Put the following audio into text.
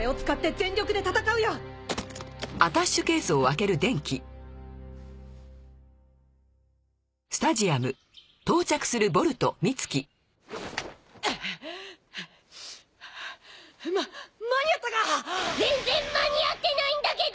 全然間に合ってないんだけど！